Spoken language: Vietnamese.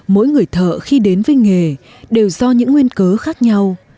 mỗi người thợ khi đến với nghề đều do những nguyên cớ khác nhau